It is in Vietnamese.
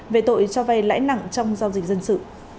về tội cho vay lãi nặng trong giao dịch dân sự